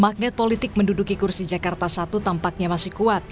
magnet politik menduduki kursi jakarta satu tampaknya masih kuat